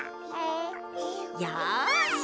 よし！